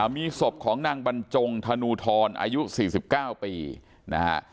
มีศพของนางบรรจงธนูทรอายุ๔๙ปีนะฮะ